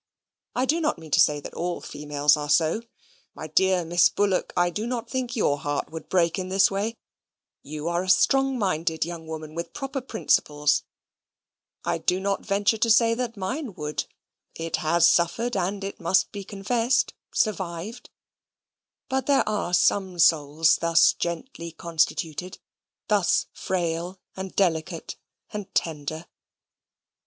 I do not mean to say that all females are so. My dear Miss Bullock, I do not think your heart would break in this way. You are a strong minded young woman with proper principles. I do not venture to say that mine would; it has suffered, and, it must be confessed, survived. But there are some souls thus gently constituted, thus frail, and delicate, and tender.